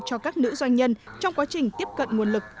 cho các nữ doanh nhân trong quá trình tiếp cận nguồn lực